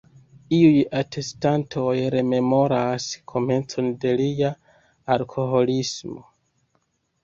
Iuj atestantoj rememoras komencon de lia alkoholismo.